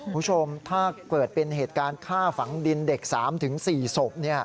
คุณผู้ชมถ้าเกิดเป็นเหตุการณ์ฆ่าฝังดินเด็ก๓๔ศพ